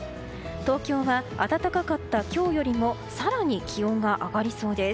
東京は暖かかった今日よりも更に気温が上がりそうです。